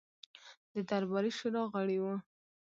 د درباري شورا غړی وو.